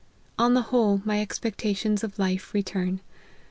On the whole, my expectations of life return.